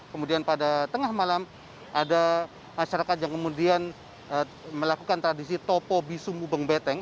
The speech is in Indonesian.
kemudian pada tengah malam ada masyarakat yang kemudian melakukan tradisi topo bisumu beng beteng